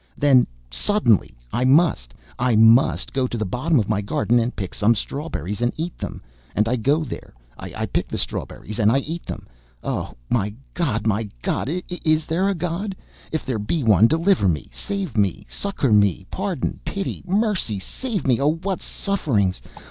Then suddenly, I must, I must go to the bottom of my garden to pick some strawberries and eat them, and I go there. I pick the strawberries and I eat them! Oh! my God! my God! Is there a God? If there be one, deliver me! save me! succour me! Pardon! Pity! Mercy! Save me! Oh! what sufferings!